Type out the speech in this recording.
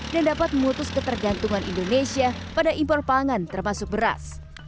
dan dapat memutus ketergantungan indonesia pada impor pangan termasuk beras